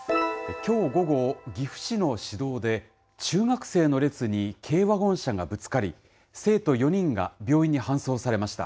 きょう午後、岐阜市の市道で、中学生の列に軽ワゴン車がぶつかり、生徒４人が病院に搬送されました。